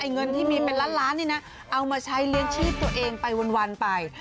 เงินที่มีเป็นล้านนี่นะเอามาใช้เลี้ยงชีพตัวเองไปวันไป